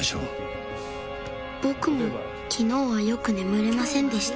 僕も昨日はよく眠れませんでした